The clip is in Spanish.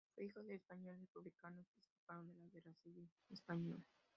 Fue hijo de españoles republicanos que escaparon de la Guerra Civil Española.